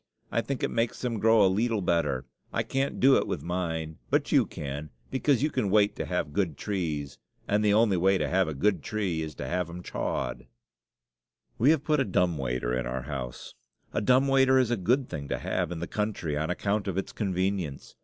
I think it makes them grow a leetle better. I can't do it with mine, but you can, because you can wait to have good trees, and the only way to have good trees is to have, 'em chawed." We have put a dumb waiter in our house. A dumb waiter is a good thing to have in the country, on account of its convenience.